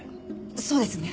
そうですね。